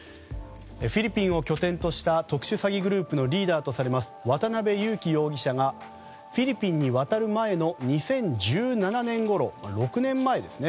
フィリピンを拠点とした特殊詐欺グループのリーダーとされます渡邉優樹容疑者がフィリピンに渡る前の２０１７年ごろ、６年前ですね。